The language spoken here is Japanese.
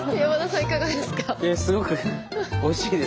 いかがですか？